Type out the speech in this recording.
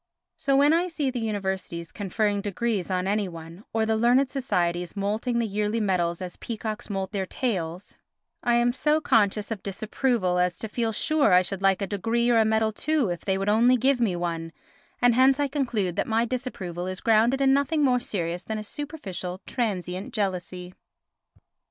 So when I see the universities conferring degrees on any one, or the learned societies moulting the yearly medals as peacocks moult their tails, I am so conscious of disapproval as to feel sure I should like a degree or a medal too if they would only give me one, and hence I conclude that my disapproval is grounded in nothing more serious than a superficial, transient jealousy.